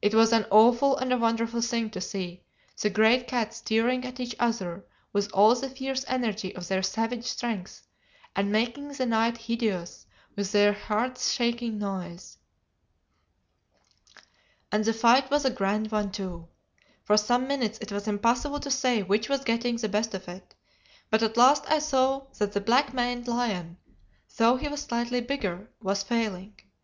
It was an awful and a wonderful thing to see the great cats tearing at each other with all the fierce energy of their savage strength, and making the night hideous with their heart shaking noise. And the fight was a grand one too. For some minutes it was impossible to say which was getting the best of it, but at last I saw that the black maned lion, though he was slightly bigger, was failing.